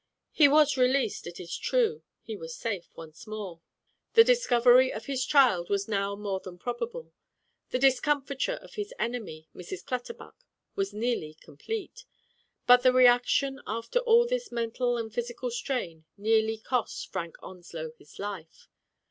He was released, it is true; he was safe once more. The discovery of his child was now more than probable. The discomfiture of his enemy, Mrs. Clutterbuck, was nearly complete, but the reaction after all this mental and physical strain nearly cost Frank Onslow his life.